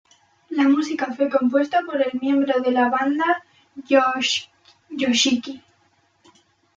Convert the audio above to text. La música fue compuesta por el miembro de la banda Yoshiki.